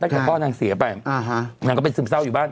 ตั้งแต่พ่อนางเสียไปนางก็เป็นซึมเศร้าอยู่บ้าน